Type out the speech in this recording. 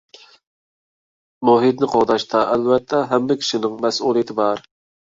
مۇھىتنى قوغداشتا ئەلۋەتتە ھەممە كىشىنىڭ مەسئۇلىيىتى بار.